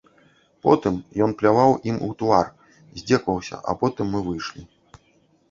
Потым ён пляваў ім у твар, здзекаваўся, а потым мы выйшлі.